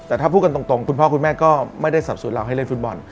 แต่ถ้าพูดกันตรงคุณพ่อคุณแม่ก็ไม่ได้สับสนเราให้เล่นฟุตบอล